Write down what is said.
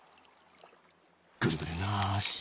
ぐるぐるなし。